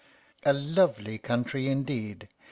A lovely country indeed!